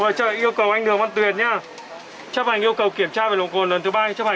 vâng chấp hành ưu cầu anh dương văn tuyền nhé chấp hành ưu cầu kiểm tra vệ lộn cồn lần thứ ba